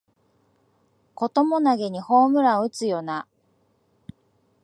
こともなげにホームラン打つよなあ